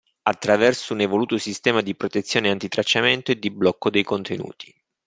Attraverso un evoluto sistema di protezione anti-tracciamento e di blocco dei contenuti.